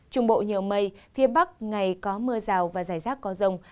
trung bộ nhiều mây phía bắc ngày có mưa rào và rải rác có rông